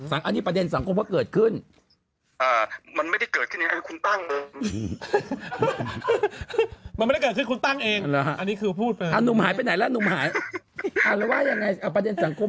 อันนี้ประเด็นสังคมก็เกิดขึ้นมันไม่ได้เกิดขึ้นยังไงคุณตั้งเลย